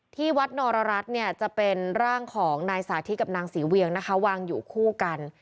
ที่วัดนรรัฐเนี่ยจะเป็นร่างของนายสาธิตกับนางศรีเวียงนะคะวางอยู่คู่กัน